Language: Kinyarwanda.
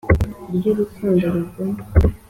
y'urukundo rugumye,